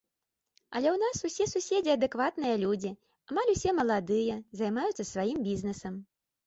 Але ў нас усе суседзі адэкватныя людзі, амаль усе маладыя, займаюцца сваім бізнесам.